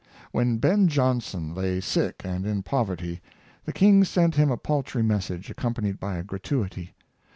When Ben Johnson lay sick and in poverty, the king sent him a paltry message, accompanied by a gratuity.